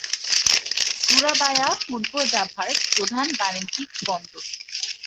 সুরাবায়া পূর্ব জাভার প্রধান বাণিজ্যিক বন্দর।